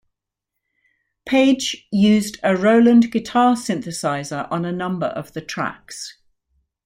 Page used a Roland guitar synthesizer on a number of the tracks.